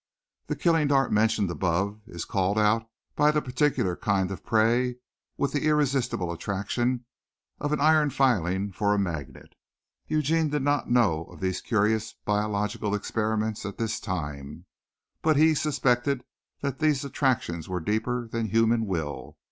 The killing dart mentioned above is called out by the particular kind of prey with the irresistible attraction of an iron filing for a magnet." Eugene did not know of these curious biologic experiments at this time, but he suspected that these attractions were deeper than human will.